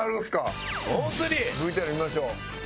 「ＶＴＲ見ましょう」